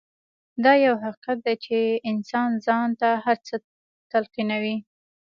دا يو حقيقت دی چې انسان ځان ته هر څه تلقينوي.